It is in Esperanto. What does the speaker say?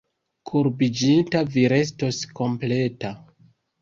Kurbiĝinta vi restos kompleta.